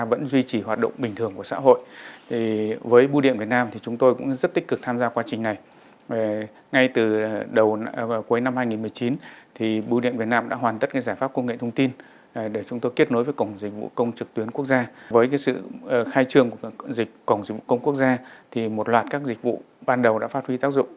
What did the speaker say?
với dịch công trực tuyến công quốc gia thì một loạt các dịch vụ ban đầu đã phát huy tác dụng